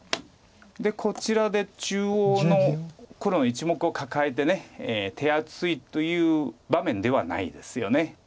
でこちらで中央の黒の１目をカカえて手厚いという場面ではないですよね。